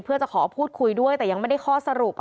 เพื่อจะขอพูดคุยด้วยแต่ยังไม่ได้ข้อสรุป